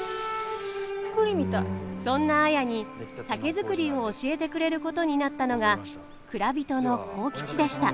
そんな綾に酒造りを教えてくれることになったのが蔵人の幸吉でした。